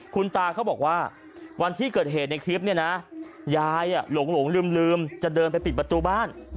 คุณตาเขาบอกว่าวันที่เกิดเหตุในคลิปเนี่ยนะยายหลงลืมจะเดินไปปิดประตูบ้าน